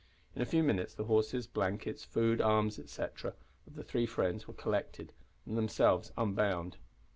In a few minutes the horses, blankets, food, arms, etcetera, of the three friends were collected, and themselves unbound.